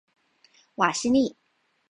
瓦西利。